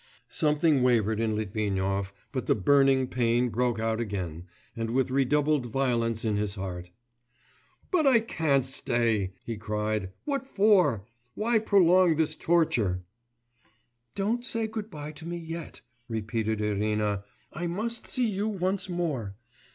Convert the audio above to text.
Something wavered in Litvinov, but the burning pain broke out again and with redoubled violence in his heart. 'But I can't stay,' he cried. 'What for? Why prolong this torture?' 'Don't say good bye to me yet,' repeated Irina. 'I must see you once more....